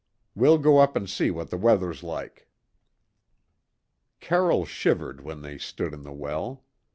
We'll go up and see what the weather's like." Carroll shivered when they stood in the well.